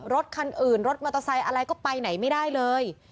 รถคันอื่นรถมอเตอร์ไซค์อะไรก็ไปไหนไม่ได้เลย